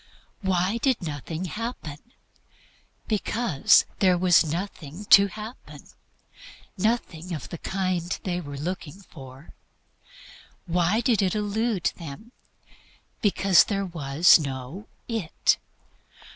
Why did nothing happen? Because there was nothing to happen nothing of the kind they were looking for. Why did it elude them? Because there was no "it."